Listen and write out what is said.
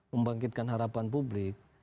membangkitkan harapan publik